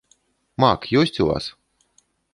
Мак ёсць у вас?